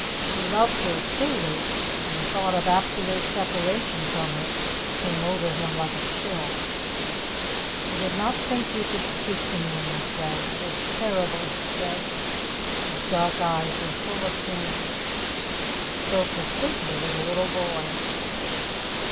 He loved her truly, and the thought of absolute separation from her came over him like a chill. "I did not think you could speak to me in this way. It is terrible!" he said. His dark eyes were full of pain. He spoke as simply as a little boy.